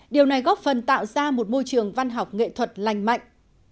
điều này góp phần tạo ra một môi trường văn học nghệ thuật lành mạnh